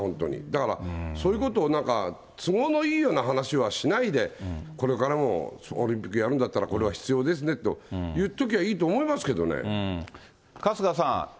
だからそういうことをなんか、都合のいいような話はしないで、これからもオリンピックやるんだったらこれは必要ですねと言っと春日さん。